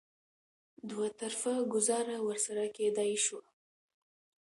دوه طرفه ګوزاره ورسره کېدای شوه.